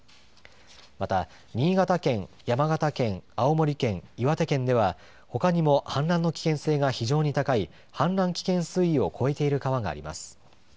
また新潟県、山形県青森県、岩手県ではほかにも氾濫の危険性が非常に高い氾濫危険水位を超えている川があります。